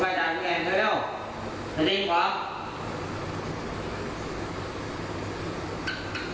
ขอให้ศุกร์ยิ่งยิ่งขึ้นไปตลอดการณ์ละนานเทิน